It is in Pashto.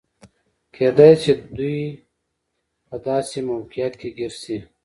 کېدای شي دوی په داسې موقعیت کې ګیر شي.